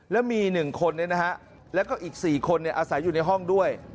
แล้วมี๑คนแล้วก็อีก๔คนอาศัยอยู่ในห้องด้วย